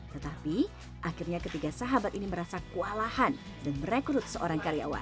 tetapi akhirnya ketiga sahabat ini merasa kewalahan dan merekrut seorang karyawan